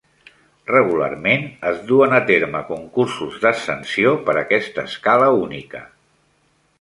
Regularment, es duen a terme concursos d'ascensió per aquesta escala única.